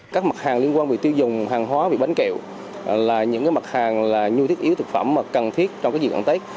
các mặt hàng liên quan về tiêu dùng hàng hóa về bánh kẹo là những mặt hàng là nhu thiết yếu thực phẩm mà cần thiết trong dự đoạn tết